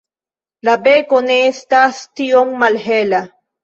La beko ne estas tiom malhela.